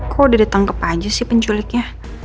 kok udah ditangkap aja sih penculiknya